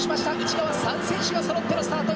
内側３選手がそろってのスタート。